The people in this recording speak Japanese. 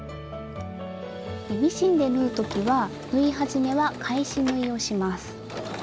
ミシンで縫う時は縫い始めは返し縫いをします。